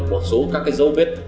một số các cái dấu vết